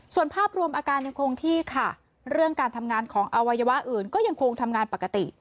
ส่วนภาพรวมอาการยังคงที่ค่ะเรื่องการทำงานของอวัยวะอื่นก็ยังคงทำงานปกติ